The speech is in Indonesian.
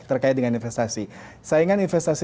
terkait dengan investasi saingan investasi